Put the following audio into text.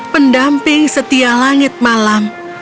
pendamping setia langit malam